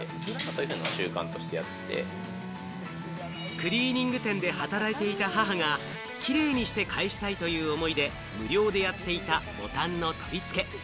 クリーニング店で働いていた母が、キレイにして返したいという思いで無料でやっていたボタンの取り付け。